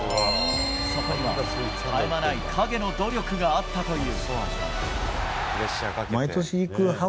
そこにはたゆまない陰の努力があったという。